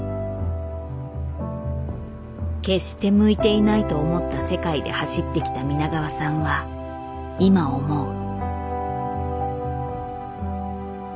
決して向いていないと思った世界で走ってきた皆川さんは今思う。